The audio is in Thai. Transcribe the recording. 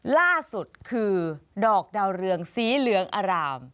ล่าสุดคือดอกดาวเรืองสีเหลืองอาราม